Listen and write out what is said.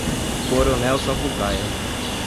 Coronel Sapucaia